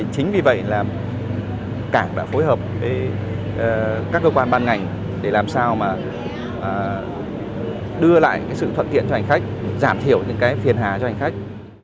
chính vì vậy là cảng đã phối hợp với các cơ quan ban ngành để làm sao mà đưa lại cái sự thuận tiện cho hành khách giảm thiểu những cái phiền hà cho hành khách